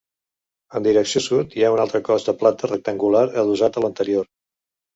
En direcció sud hi ha un altre cos de planta rectangular adossat a l'anterior.